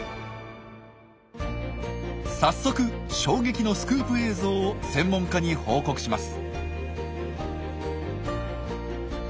早速衝撃のスクープ映像を専門家に報告します。